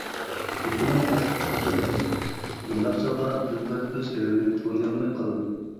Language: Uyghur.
گېپىنىڭ تاتلىقلىقىچۇ؟ بۇنداق چاغدا دىلبەر ئۆز ئېرىنى تونۇيالماي قالىدۇ.